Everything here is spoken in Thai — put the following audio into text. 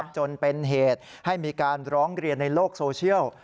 จนเป็นเหตุให้มีการร้องเรียนในโลกโซเชียล